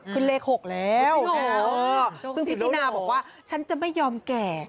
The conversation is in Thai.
ขึ้นเลข๖แล้วซึ่งพี่ตินาบอกว่าฉันจะไม่ยอมแก่